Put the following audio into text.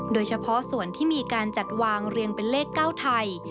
โดยเฉพาะส่วนที่มีการจัดวางเรียงเป็นเลข๙ไทย